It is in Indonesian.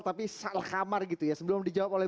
tapi salah kamar gitu ya sebelum dijawab oleh